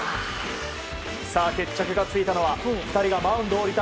さあ、決着がついたのは２人がマウンドを降りた